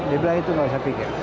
dia bilang itu nggak usah pikir